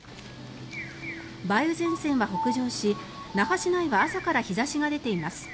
梅雨前線は北上し、那覇市内は朝から日差しが出ています。